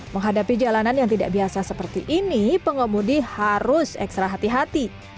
menghadapi jalanan yang tidak biasa seperti ini pengemudi harus ekstra hati hati